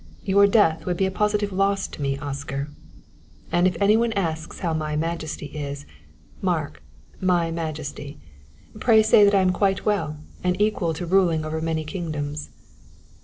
Your death would be a positive loss to me, Oscar. And if any one asks how My Majesty is mark, My Majesty pray say that I am quite well and equal to ruling over many kingdoms."